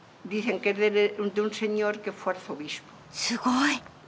すごい！